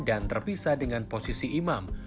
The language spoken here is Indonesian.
dan terpisah dengan posisi imam